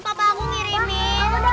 bapak aku ngirimin